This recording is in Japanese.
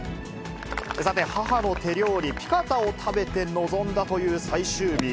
さて、母の手料理、ピカタを食べて臨んだという最終日。